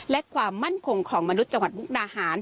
และความมั่นคงของมนุษย์จังหวัดมุกดาหาร